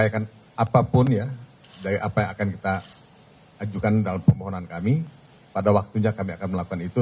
apapun ya dari apa yang akan kita ajukan dalam permohonan kami pada waktunya kami akan melakukan itu